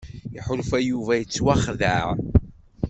Iḥulfa Yuba yettwaxdeɛ.